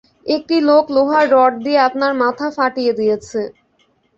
একটি লোক লোহার রড দিয়ে আপনার মাথা ফাটিয়ে দিয়েছে।